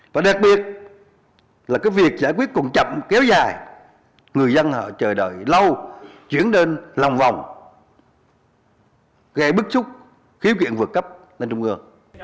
và đặc biệt là cái việc giải quyết còn chậm kéo dài người dân họ chờ đợi lâu chuyển đến lòng vòng gây bức xúc khiếu kiện vượt cấp lên trung ương